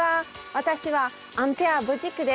私はアンテアヴォジクです。